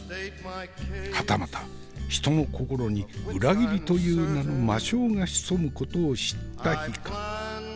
はたまた人の心に裏切りという名の魔性が潜むことを知った日か？